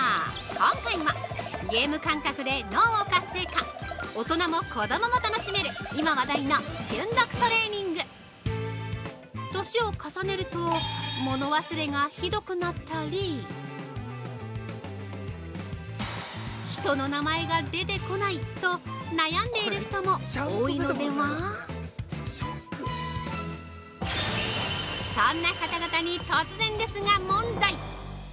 今回はゲーム感覚で脳を活性化大人も子どもも楽しめる今話題の瞬読トレーンング年を重ねると物忘れがひどくなったり人の名前が出てこないと悩んでいる人も多いのではそんな方々に、突然ですが問題！